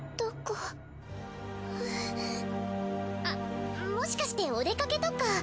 あっもしかしてお出かけとか。